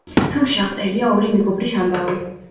ფილმში აღწერილია ორი მეგობრის ამბავი.